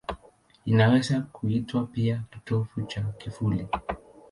Inaweza kuitwa pia kitovu cha kivuli.